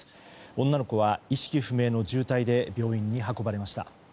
女の子は意識不明の重体で病院に運ばれました。